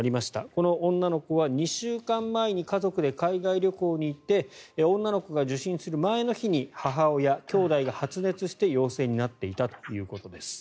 この女の子は２週間前に家族で海外旅行に行って女の子が受診する前の日に母親、兄弟が陽性になっていたということです。